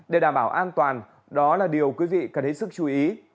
để đảm bảo an toàn đó là điều quý vị cần hết sức chú ý